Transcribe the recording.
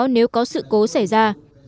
nếu có sự cố xảy ra